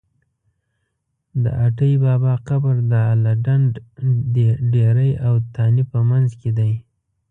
د اټی بابا قبر د اله ډنډ ډېری او تانې په منځ کې دی.